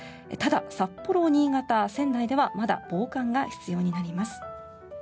ただ、札幌、新潟、仙台ではまだ防寒が必要になります。